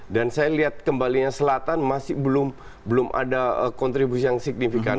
dan saya lihat kembalinya selatan masih belum ada kontribusi yang signifikan